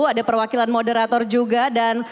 ada perwakilan moderator juga dan